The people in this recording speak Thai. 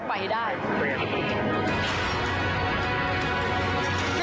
ของท่านได้เสด็จเข้ามาอยู่ในความทรงจำของคน๖๗๐ล้านคนค่ะทุกท่าน